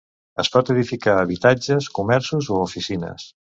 Es pot edificar habitatges, comerços o oficines.